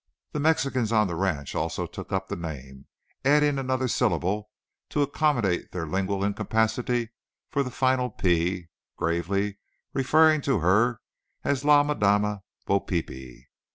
The Mexicans on the ranch also took up the name, adding another syllable to accommodate their lingual incapacity for the final "p," gravely referring to her as "La Madama Bo Peepy."